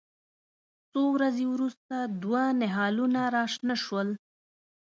څو ورځې وروسته دوه نهالونه راشنه شول.